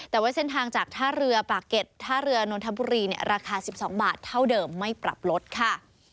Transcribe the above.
แต่ว่าเส้นทางจากท่าเรือปากเก็ตท่าเรือนนทบุรีราคา๑๒บาทเท่าเดิมไม่ปรับลดค่ะ